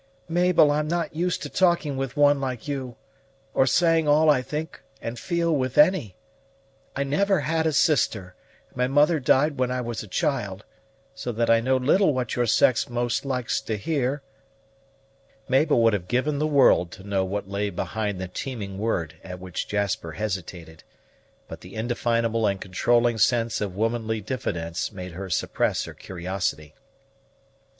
"Mabel, I'm not used to talking with one like you, or saying all I think and feel with any. I never had a sister, and my mother died when I was a child, so that I know little what your sex most likes to hear " Mabel would have given the world to know what lay behind the teeming word at which Jasper hesitated; but the indefinable and controlling sense of womanly diffidence made her suppress her curiosity.